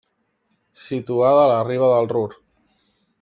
Situada a la riba del Ruhr.